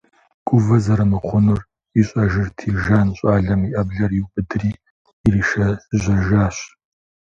Гувэ зэрымыхъунур ищӀэжырти, Жан щӀалэм и Ӏэблэр иубыдри иришэжьэжащ.